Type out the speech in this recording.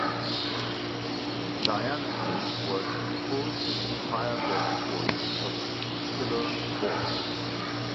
Dionysus was supposed to inspire their choice of the particular bull.